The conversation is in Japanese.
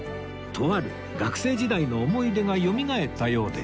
とある学生時代の思い出がよみがえったようで